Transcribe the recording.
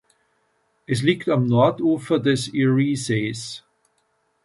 Es liegt am Nordufer des Eriesees.